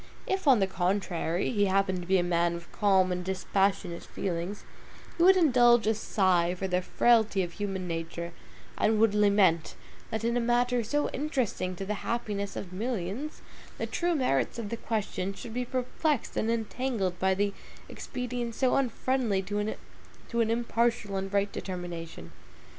If, on the contrary, he happened to be a man of calm and dispassionate feelings, he would indulge a sigh for the frailty of human nature, and would lament, that in a matter so interesting to the happiness of millions, the true merits of the question should be perplexed and entangled by expedients so unfriendly to an impartial and right determination.